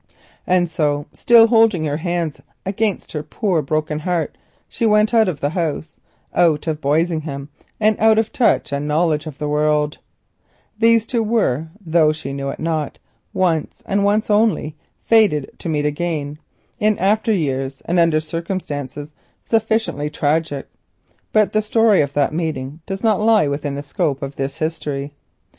And so, still holding her hands against her poor broken heart, she went out of the house, out of Boisingham and of touch and knowledge of the world. In after years these two were fated to meet once again, and under circumstances sufficiently tragic; but the story of that meeting does not lie within the scope of this history.